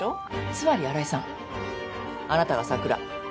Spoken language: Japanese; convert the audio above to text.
つまり新井さんあなたはサクラ。